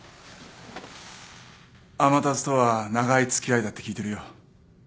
天達とは長い付き合いだって聞いてるよ。